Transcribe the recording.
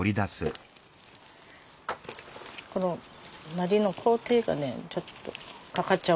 このナリの工程がねちょっとかかっちゃうんで。